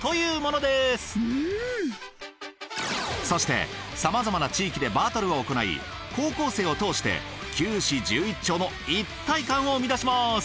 そしてさまざまな地域でバトルを行い高校生を通して９市１１町の一体感を生み出します！